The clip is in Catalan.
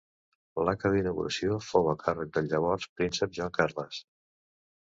L'acte d'inauguració fou a càrrec del llavors Príncep Joan Carles.